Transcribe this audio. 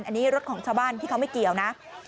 อันนี้รถของชาวบ้านที่เขาไม่เกี่ยวนะ